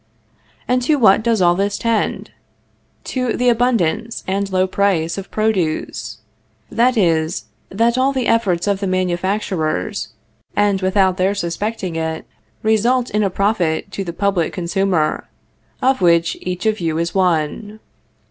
And to what does all this tend? To the abundance and low price of produce; that is, that all the efforts of the manufacturers, and without their suspecting it, result in a profit to the public consumer, of which each of you is one.